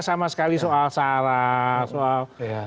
sama sekali soal salah